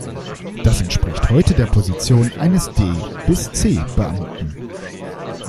Das entspricht heute der Position eines D- bis C-Beamten.